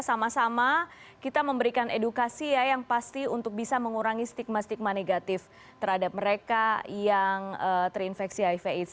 sama sama kita memberikan edukasi ya yang pasti untuk bisa mengurangi stigma stigma negatif terhadap mereka yang terinfeksi hiv aids